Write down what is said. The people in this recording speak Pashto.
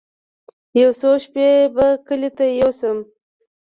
يو څو شپې به کلي ته يوسم.